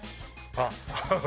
あっ。